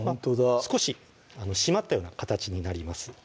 少し締まったような形になります